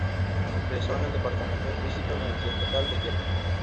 Ingresó en el Departamento de Física de la Universidad Estatal de Kiev.